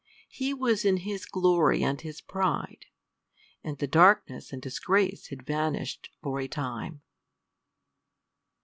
He was in his glory and his pride; and the darkness and its disgrace had vanished for a time.